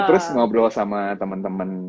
terus ngobrol sama temen temen